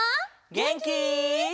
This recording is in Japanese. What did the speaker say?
げんき？